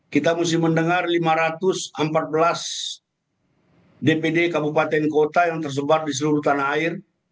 kita mesti mendengar lima ratus empat belas dpd kabupaten kota yang tersebar di seluruh tanah air